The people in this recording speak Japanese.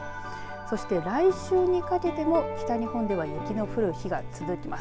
そして来週にかけても北日本では雪の降る日が続きます。